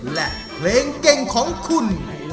และเพลงเก่งของคุณ